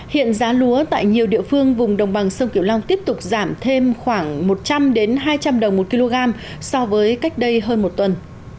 hiện giá lúa tại nhiều địa phương vùng đồng bằng sông kiểu long tiếp tục giảm thêm khoảng một trăm linh hai trăm linh đồng một kg so với cách đây hơn một tuần